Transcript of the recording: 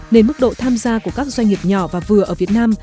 nên mức độ tham gia của các doanh nghiệp nhỏ và vừa ở việt nam